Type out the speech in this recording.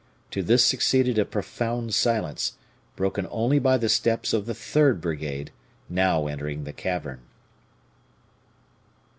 To this succeeded a profound silence, broken only by the steps of the third brigade, now entering the cavern.